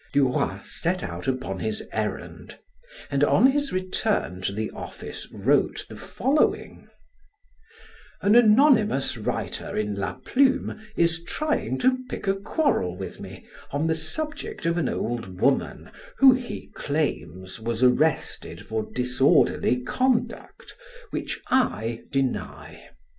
Duroy set out upon his errand and on his return to the office, wrote the following: "An anonymous writer in 'La Plume' is trying to pick a quarrel with me on the subject of an old woman who, he claims, was arrested for disorderly conduct, which I deny.